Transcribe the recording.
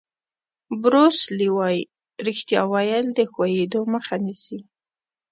بروس لي وایي ریښتیا ویل د ښویېدو مخه نیسي.